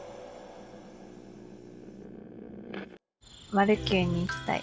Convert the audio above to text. マルキューに行きたい。